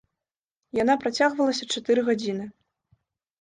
Яна працягвалася чатыры гадзіны.